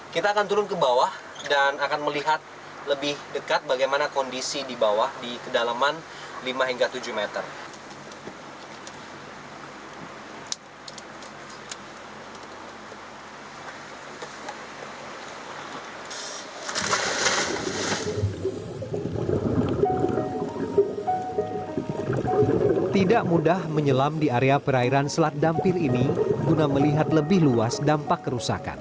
kita akan turun ke bawah dan akan melihat lebih dekat bagaimana kondisi di bawah di kedalaman lima hingga tujuh meter